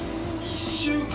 １週間。